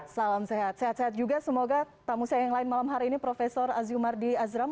salam sehat sehat sehat juga semoga tamu saya yang lain malam hari ini prof azimardi azram